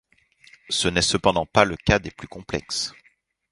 Ce n'est cependant pas le cas des plus complexes.